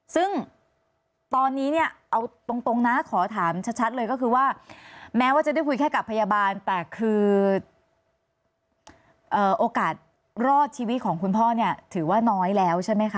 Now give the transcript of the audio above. ซึ่งตอนนี้เนี่ยเอาตรงนะขอถามชัดเลยก็คือว่าแม้ว่าจะได้คุยแค่กับพยาบาลแต่คือโอกาสรอดชีวิตของคุณพ่อเนี่ยถือว่าน้อยแล้วใช่ไหมคะ